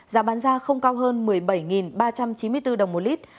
giá bán ra không cao hơn một mươi bảy ba trăm chín mươi bốn đồng một lít